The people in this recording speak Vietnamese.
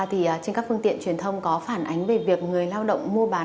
trên các phương tiện truyền thông có phản ánh về việc người lao động mua bán